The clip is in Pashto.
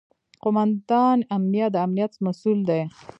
قوماندان امنیه د امنیت مسوول دی